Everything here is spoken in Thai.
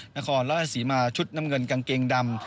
นครราชสีมาชุดน้ำเงินกางเกงดำ